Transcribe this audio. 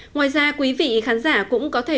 ngoài ra quý vị khán giả cũng có thể